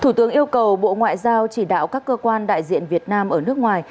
thủ tướng yêu cầu bộ ngoại giao chỉ đạo các cơ quan đại diện việt nam ở nước ngoài